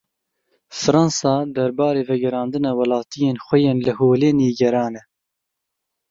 Fransa derbarê vegerandina welatiyên xwe yên li Holê nîgeran e.